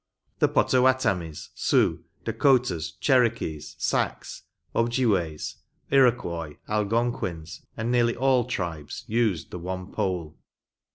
The Poutawatamies, Sioux, Dacotahs, Cherokees, Sacs, Objiways, Iroquois, Algonquins, and nearly all tribes used the one pole.